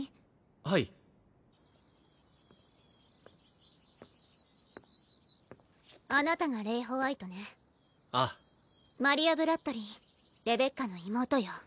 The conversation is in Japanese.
はいあなたがレイ＝ホワイトねああマリア＝ブラッドリィレベッカの妹よ